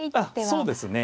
そうですね。